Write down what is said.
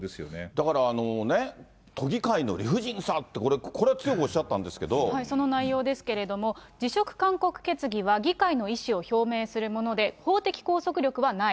だから、都議会の理不尽さって、これ、その内容ですけれども、辞職勧告決議は議会の意思を表明するもので、法的拘束力はない。